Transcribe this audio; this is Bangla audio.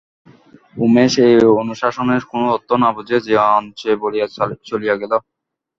উমেশ এই অনুশাসনের কোনো অর্থ না বুঝিয়া যে আঞ্চে বলিয়া চলিয়া গেল।